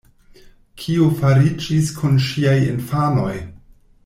Kio fariĝis kun ŝiaj infanoj?